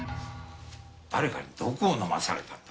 誰かに毒を飲まされたんだ。